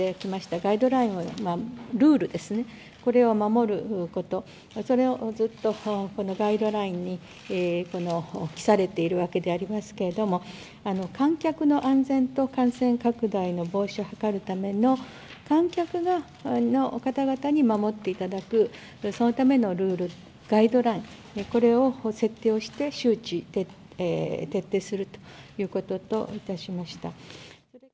ガイドラインはルールですね、これを守ること、それをずっとこのガイドラインに記されているわけでありますけれども、観客の安全と感染拡大の防止を図るための、観客の方々に守っていただく、そのためのルール、ガイドライン、これを設定をして周知徹底するということといたしました。